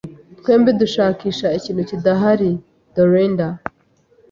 Twembi dushakisha ikintu kidahari. (Dorenda)